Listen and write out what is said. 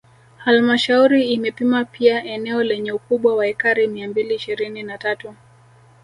Halmashauri imepima pia eneo lenye ukubwa wa ekari mia mbili ishirini na tatu